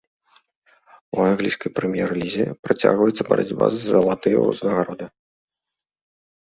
У англійскай прэм'ер-лізе працягваецца барацьба за залатыя ўзнагароды.